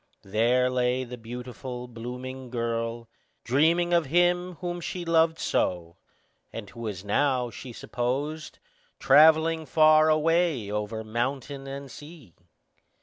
There lay the beautiful, blooming girl, dreaming of him whom she loved so, and who was now, she supposed, travelling far away over mountain and sea.